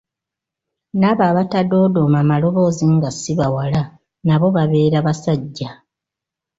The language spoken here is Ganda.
Naabo abatadoodooma maloboozi nga si bawala, nabo babeera basajja.